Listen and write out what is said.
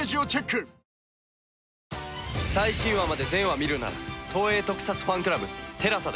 最新話まで全話見るなら東映特撮ファンクラブＴＥＬＡＳＡで。